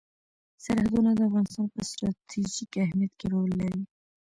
سرحدونه د افغانستان په ستراتیژیک اهمیت کې رول لري.